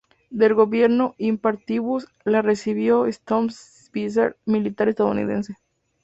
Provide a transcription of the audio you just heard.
Del gobierno "in partibus" la recibió Stanhope S. Spears, militar estadounidense.